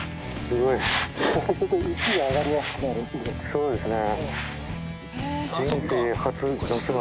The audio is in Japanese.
そうですね。